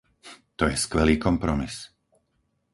To je skvelý kompromis.